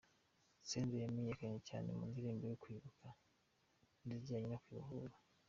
Senderi yamenyekanye cyane mu ndirimbo zo kwibuka n’izijyanye no kwibohora.